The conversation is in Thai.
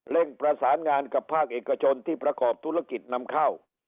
ประสานงานกับภาคเอกชนที่ประกอบธุรกิจนำเข้า